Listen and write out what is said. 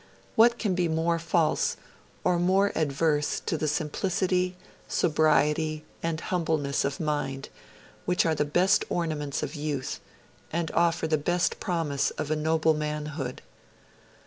What can be more false, or more adverse to the simplicity, sobriety, and humbleness of mind which are the best ornaments of youth, and offer the best promise of a noble manhood?'